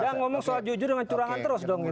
jangan ngomong soal jujur dengan curangan terus dong gitu